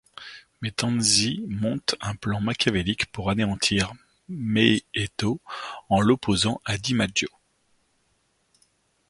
Mais Tanzi monte un plan machiavélique pour anéantir Maietto en l'opposant à DiMaggio.